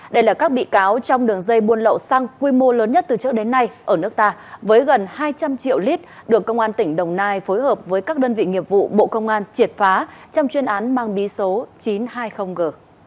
đây là các bị cáo trong đường dây buôn lậu xăng quy mô lớn nhất từ trước đến nay ở nước ta với gần hai trăm linh triệu lít được công an tỉnh đồng nai phối hợp với các đơn vị nghiệp vụ bộ công an triệt phá trong chuyên án mang bí số chín trăm hai mươi g